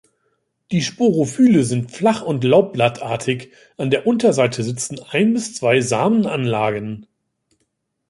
Die Sporophylle sind flach und laubblattartig, an der Unterseite sitzen ein bis zwei Samenanlagen.